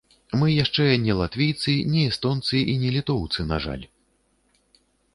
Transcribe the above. Мы яшчэ не латвійцы, не эстонцы і не літоўцы, на жаль.